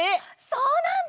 そうなんだ！